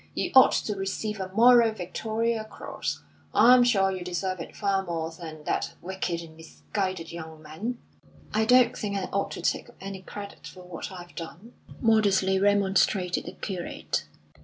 You ought to receive a moral Victoria Cross. I'm sure you deserve it far more than that wicked and misguided young man." "I don't think I ought to take any credit for what I've done," modestly remonstrated the curate.